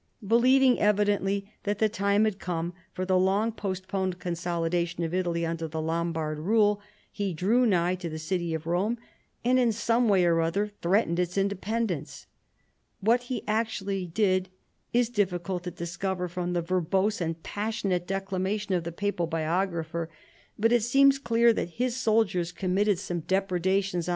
Eelieving evidently that the time had come for the long postponed consolidation of Italy under the Lombard rule, he drew nigh to the city of Rome, and in some way or other threat ened its independence. "What he actually did it is difficult to discover from the verbose and passionate declamation of the papal biographer, but it seems clear that his soldiers committed some depredations 86 CHARLEMAGNE.